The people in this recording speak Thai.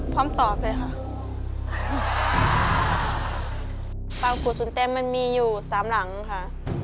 ปางกู่สวนแตงมันมีอยู่๓หลังค่ะ